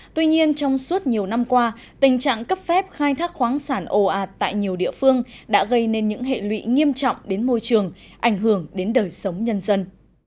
tuy nhiên trong suốt nhiều năm qua tình trạng cấp phép khai thác khoáng sản ồ ạt tại nhiều địa phương đã gây nên những hệ lụy nghiêm trọng đến môi trường ảnh hưởng đến đời sống nhân dân